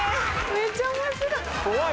めっちゃ面白い。